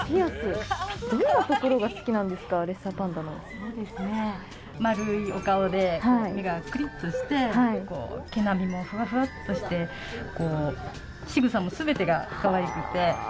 そうですね丸いお顔で目がクリッとして毛並みもフワフワッとしてしぐさも全てがかわいくてはい。